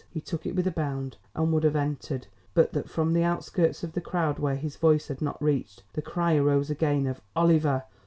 He took it with a bound, and would have entered but that from the outskirts of the crowd where his voice had not reached, the cry arose again of "Oliver!